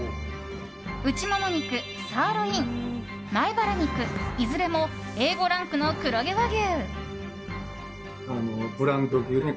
内もも肉、サーロイン前バラ肉いずれもＡ５ランクの黒毛和牛。